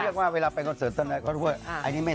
เพราะว่าคนใดเป็นสีชมพูไง